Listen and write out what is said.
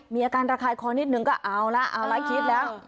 มีอาการระคายความนิดหนึ่งก็เอาแล้วเอาแล้วคิดแล้ว